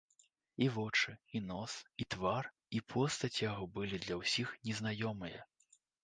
І вочы, і нос, і твар, і постаць яго былі для ўсіх незнаёмыя.